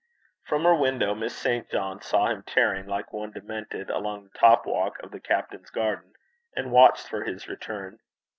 From her window Miss St. John saw him tearing like one demented along the top walk of the captain's garden, and watched for his return.